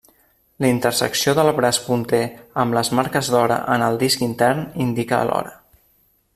La intersecció del braç punter amb les marques d'hora en el disc intern indica l'hora.